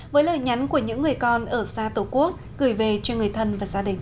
với lời nhắn của những người con ở xa tổ quốc gửi về cho người thân và gia đình